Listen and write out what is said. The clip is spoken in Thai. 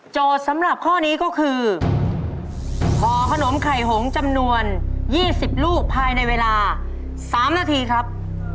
สำหรับข้อนี้ก็คือห่อขนมไข่หงจำนวน๒๐ลูกภายในเวลา๓นาทีครับ